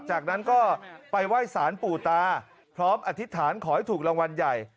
จากนั้นก็ไปไหว้สารปู่ตาพร้อมอธิษฐานขอให้ถูกรางวัลใหญ่